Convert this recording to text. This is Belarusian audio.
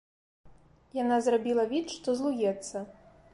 Яна зрабіла від, што злуецца.